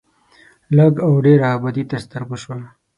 لږ او ډېره ابادي تر سترګو شوه.